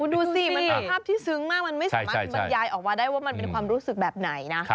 คุณดูสิเป็นภาพที่ซึ้งมากมันย้ายออกมาได้ว่ามันเป็นความรู้สึกแบบไหน